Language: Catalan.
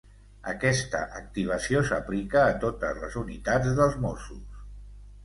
Aquesta activació s'aplica a totes les unitats dels mossos.